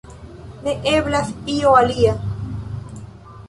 Ne eblas io alia.